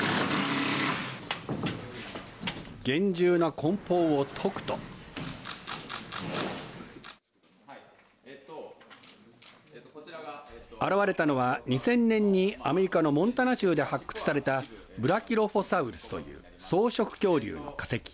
厳重なこん包を解くと現れたのは２０００年にアメリカのモンタナ州で発掘されたブラキロフォサウルスという草食恐竜の化石。